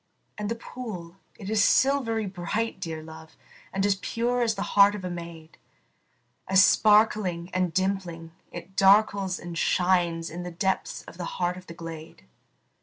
And the pool, it is silvery bright, dear love, And as pure as the heart of a maid, As sparkling and dimpling, it darkles and shines In the depths of the heart of the glade.